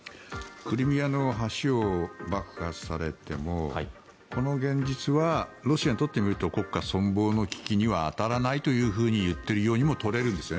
クリミアの橋を爆破されてもこの現実はロシアにとってみると国家存亡の危機には当たらないと言っているようにも取れるんです。